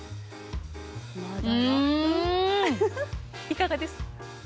いかがです？